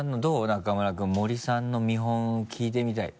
中村君森さんの見本聴いてみたい？